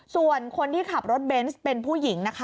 ส่วนคนที่ขับรถเบนส์เป็นผู้หญิงนะคะ